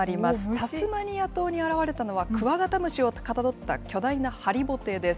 タスマニア島に現れたのはクワガタムシをかたどった巨大な張りぼてです。